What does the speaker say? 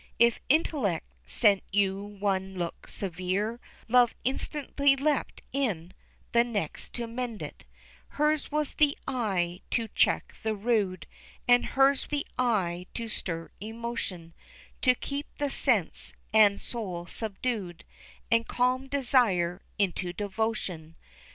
If intellect sent you one look severe Love instantly leapt in the next to mend it Hers was the eye to check the rude, And hers the eye to stir emotion, To keep the sense and soul subdued And calm desire into devotion.